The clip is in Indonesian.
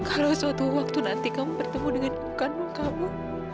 kalau suatu waktu nanti kamu bertemu denganku kandung kamu